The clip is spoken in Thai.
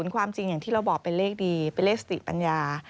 ความจริงอย่างที่เราบอกเป็นเลขดีเป็นเลขสติปัญญา